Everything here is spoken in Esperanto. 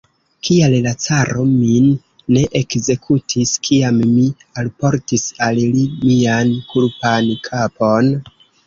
Kial la caro min ne ekzekutis, kiam mi alportis al li mian kulpan kapon?